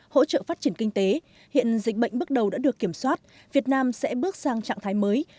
hỗ trợ phát triển kinh tế hiện dịch bệnh bước đầu đã được kiểm soát việt nam sẽ bước sang trạng thái mới